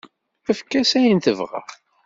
Efk-as ayen tebɣa.